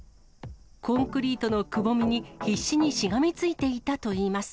コンクリートのくぼみに必死にしがみついていたといいます。